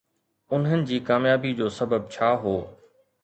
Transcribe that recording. انهن جي ڪاميابي جو سبب ڇا هو؟